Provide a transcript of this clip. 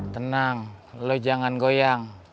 tenang lo jangan goyang